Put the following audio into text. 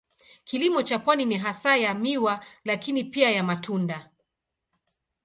Kilimo cha pwani ni hasa ya miwa lakini pia ya matunda.